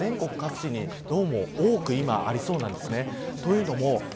こういう場所が全国各地にどうも、多く今ありそうなんですね。